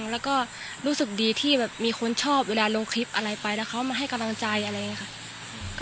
แล้วก็รู้สึกดีที่แบบมีคนชอบเวลาลงคลิปอะไรไปแล้วเขามาให้กำลังใจอะไรอย่างนี้ค่ะ